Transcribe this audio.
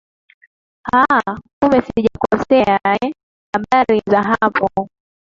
haa kumbe sijakosea ee habari za hapo